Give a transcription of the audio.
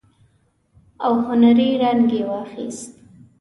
او هنري رنګ يې واخيست.